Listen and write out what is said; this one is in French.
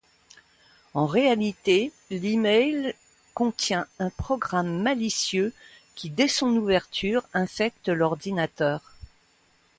En réalité, l'email contient un programme malicieux qui dès son ouverture infecte l'ordinateur.